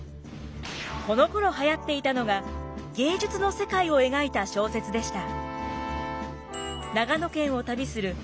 このころはやっていたのが芸術の世界を描いた小説でした。